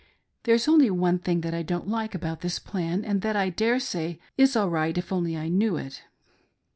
There's only one thing that I don't like about this plan, and that I daresay is all right if only I knew it."